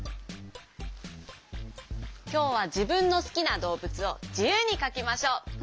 きょうはじぶんのすきなどうぶつをじゆうにかきましょう！